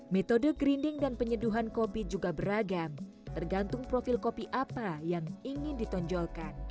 metode grinding dan penyeduhan kopi juga beragam tergantung profil kopi apa yang ingin ditonjolkan